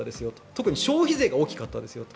特に消費税が大きかったですよと。